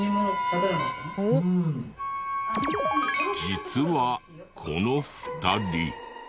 実はこの２人。